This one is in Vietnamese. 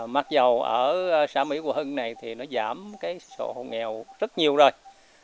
mặc dù ở xã mỹ của hưng này thì nó giảm cái số nghèo rất nhiều rồi